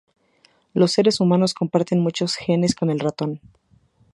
Los seres humanos comparten muchos genes con el ratón.